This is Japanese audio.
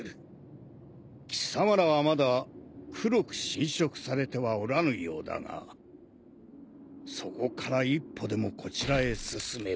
貴様らはまだ黒く侵食されてはおらぬようだがそこから一歩でもこちらへ進めば。